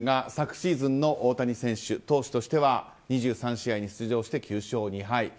改めてですが昨シーズンの大谷選手投手としては２３試合に出場して９勝２敗。